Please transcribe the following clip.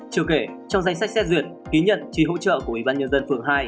chưa kể trong danh sách xét duyệt ký nhận trì hỗ trợ của ủy ban nhân dân phường hai